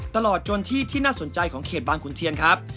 ตลอดจนที่ที่น่าสนใจของเขตบางขุนเทียนครับ